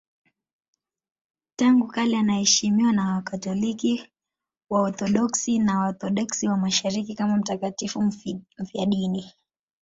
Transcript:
Tangu kale anaheshimiwa na Wakatoliki, Waorthodoksi na Waorthodoksi wa Mashariki kama mtakatifu mfiadini.